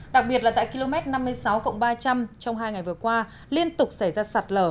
đặc biệt là tại km năm mươi sáu ba trăm linh trong hai ngày vừa qua liên tục xảy ra sạt lở